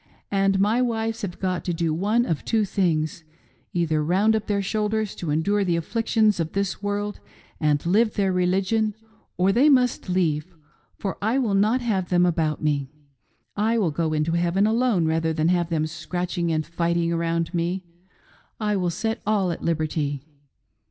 , And my wives have got to do one of two things ; either round up their shoulders to endure the afflictions of this world and live their religion, or they must leave ; for I will not have them about me. I will go into heaven alone rather than have them scratching and fighting around me. I will set all at liberty.